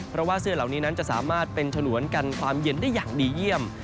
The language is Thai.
เพราะว่าเสื้อเหล่านี้นั้นจะสามารถเป็นฉนวนกันความเย็นได้อย่างดีเยี่ยม